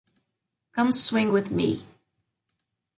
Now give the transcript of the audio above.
Come Swing with Me!